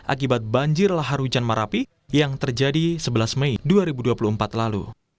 akibat banjir lahar hujan marapi yang terjadi sebelas mei dua ribu dua puluh empat lalu